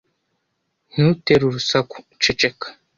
Ntutere urusaku. Ceceka.